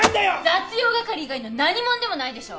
雑用係以外の何者でもないでしょ！